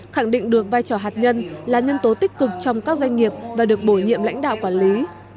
khẳng định được vai trò hạt nhân là nhân tố tích cực trong các doanh nghiệp và được bổ nhiệm lãnh đạo quản lý